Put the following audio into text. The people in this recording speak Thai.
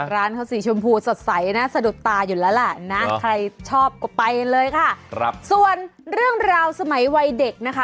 ร้านเขาสีชมพูสดใสนะสะดุดตาอยู่แล้วล่ะนะใครชอบก็ไปเลยค่ะครับส่วนเรื่องราวสมัยวัยเด็กนะคะ